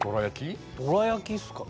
どら焼きっすかね？